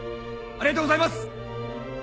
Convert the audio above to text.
ありがとうございます！